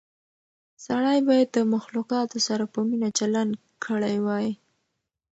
سړی باید د مخلوقاتو سره په مینه چلند کړی وای.